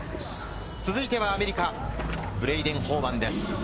続いてはアメリカ、ブレイデン・ホーバンです。